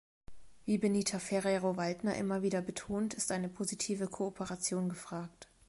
Wie Benita Ferrero-Waldner immer wieder betont, ist eine positive Kooperation gefragt.